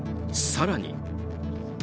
更に。